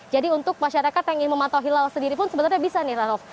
jadi untuk masyarakat yang ingin memantau hilal sendiri pun sebenarnya bisa radov